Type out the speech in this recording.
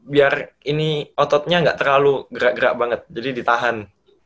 biar ini ototnya nggak terlalu gerak gerak banget jadi ditahan